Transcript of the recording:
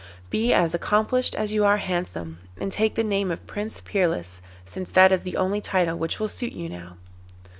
'Be as accomplished as you are handsome, and take the name of Prince Peerless, since that is the only title which will suit you now.